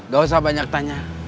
gak usah banyak tanya